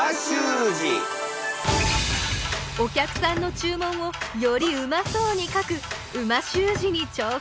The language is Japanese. お客さんの注文をよりうまそうに書く美味しゅう字に挑戦。